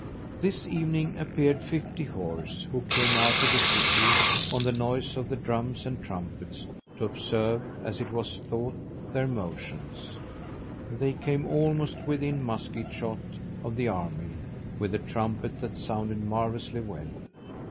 This evening appeared fifty horse, who came out of the city, on the noise of the drums and trumpets, to observe, as it was thought, their motions: they came almost within musket shot of the army, with a trumpet that sounded marvellously well.